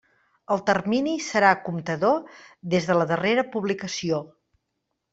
El termini serà comptador des de la darrera publicació.